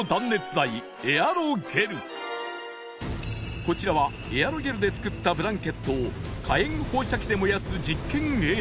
こちらはエアロゲルで作ったブランケットを火炎放射器で燃やす実験映像